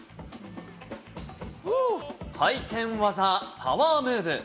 回転技、パワームーブ。